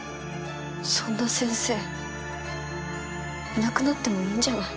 そんな先生いなくなってもいいんじゃない？